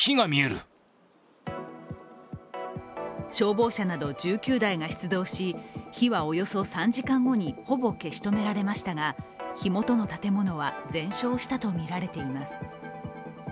消防車など１９台が出動し火はおよそ３時間後にほぼ消し止められましたが火元の建物は全焼したとみられています。